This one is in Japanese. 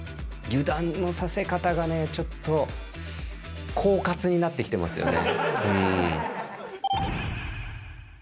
油断のさせ方がね、ちょっと、狡猾になってきてますよね。